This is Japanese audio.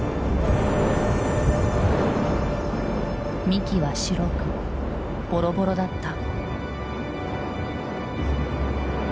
幹は白くボロボロだった。